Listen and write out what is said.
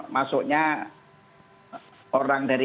masuknya orang dari